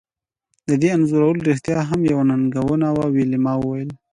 د دې انځورول رښتیا یوه ننګونه وه ویلما وویل